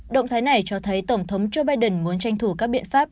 động thái này cho thấy tổng thống joe biden muốn tranh thủ các biện pháp